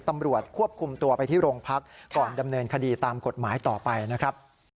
ตำรวจควบคุมตัวไปที่โรงพักก่อนดำเนินคดีตามกฎหมายต่อไปนะครับ